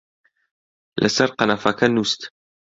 لەسەر قەنەفەکە نووست